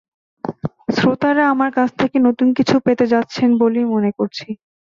শ্রোতারা আমার কাছ থেকে নতুন কিছু পেতে যাচ্ছেন বলেই মনে করছি।